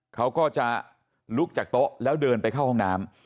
เขาก็จะลุกจากโต๊ะแล้วเดินไปเข้าห้องน้ำ